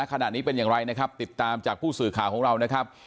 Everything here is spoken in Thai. ขณะนี้เป็นอย่างไรนะครับติดตามจากผู้สื่อข่าวของเรานะครับ